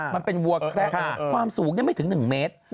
มันเป็นวัวแคระความสูงไม่ถึง๑เมตร